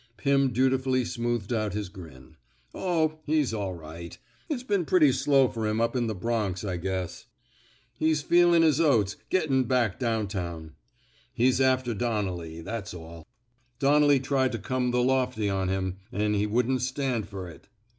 Pim dutifully smoothed out his grin. Oh, he's all right. It's been pretty slow fer 'm up in the Bronx, I guess. He's feelin' his oats, gettin' back down town. ... He's after Donnelly, that's all. Don nelly tried to come the lofty on him, an' he wouldn't stand fer it."